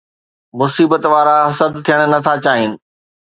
مصيبت وارا حسد ٿيڻ نٿا چاهين